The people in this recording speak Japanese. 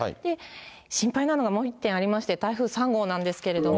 心配なのがもう一点ありまして、台風３号なんですけれども。